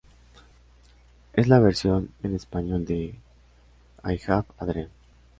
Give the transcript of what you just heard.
Es la versión en español de I Have A Dream.